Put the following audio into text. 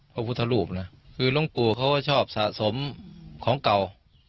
พระพุทธรูปนะคือหลวงปู่เขาก็ชอบสะสมของเก่า